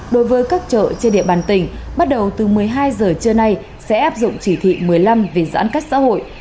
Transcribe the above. đối với các chợ trên địa bàn tỉnh bắt đầu từ một mươi hai giờ trưa nay sẽ áp dụng chỉ thị một mươi năm về giãn cách xã hội